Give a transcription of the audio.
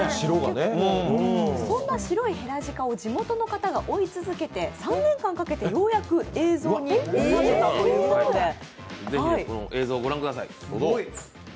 そんな白いヘラジカを地元の方が追い続けて３年間かけてようやく映像に収めたということで。